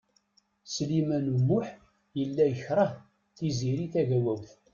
Sliman U Muḥ yella yekreh Tiziri Tagawawt.